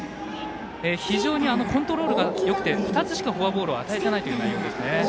非常にコントロールがよくて２つしかフォアボールを与えていないという内容ですね。